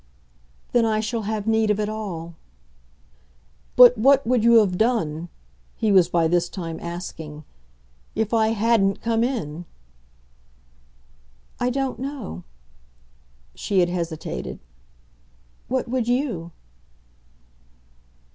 "Then I shall have need of it all." "But what would you have done," he was by this time asking, "if I HADN'T come in?" "I don't know." She had hesitated. "What would you?"